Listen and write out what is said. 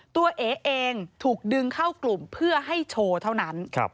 เอ๋เองถูกดึงเข้ากลุ่มเพื่อให้โชว์เท่านั้น